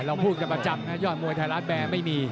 พูดกันประจำนะยอดมวยไทยรัฐแบบไม่มี